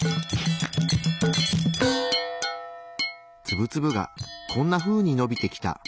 ツブツブがこんなふうにのびてきた。